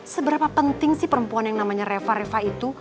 seberapa penting sih perempuan yang namanya reva reva itu